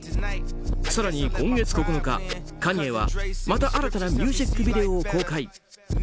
更に今月９日カニエはまた新たなミュージックビデオを公開。